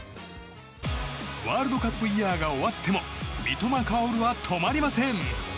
ワールドカップイヤーが終わっても三笘薫は止まりません。